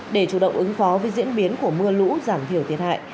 để chủ động ứng phó với diễn biến của mưa lũ giảm thiểu thiệt hại